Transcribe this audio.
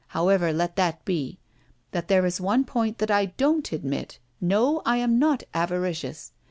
However, let that be! But there is one point that I don't admit! No, I am not avaricious.